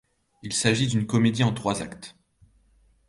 Il s'agit d'une comédie en trois actes.